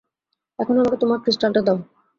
এখন, আমাকে তোমার ক্রিস্টালটা দাও।